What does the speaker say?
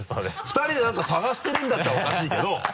２人で何か探してるんだったらおかしいけど。